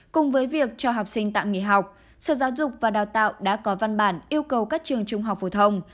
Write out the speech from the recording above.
cùng với việc cho học sinh tạm nghỉ học sở giáo dục và đào tạo đã có văn bản yêu cầu các trường trung học phổ thông